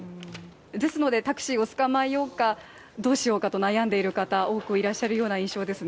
ですのでタクシーをつかまえようかどうしようかと悩んでいる方、多くいらっしゃるような印象です。